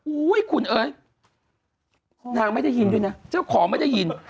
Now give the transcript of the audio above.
อุ้ยคุณเอ๋ยนางไม่ได้ยินด้วยนะเจ้าของไม่ได้ยิน